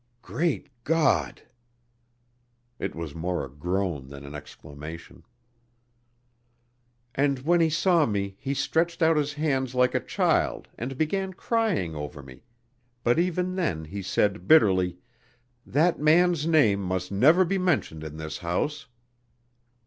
"Great God!" It was more a groan than an exclamation. "And when he saw me he stretched out his hands like a child and began crying over me, but even then he said bitterly, 'That man's name must never be mentioned in this house.'...